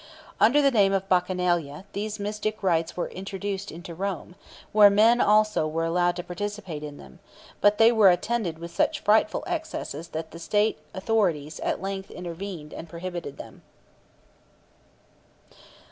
Under the name of Bacchanalia, these mystic rites were introduced into Rome, where men also were allowed to participate in them; but they were attended with such frightful excesses that the state authorities at length interfered and prohibited them.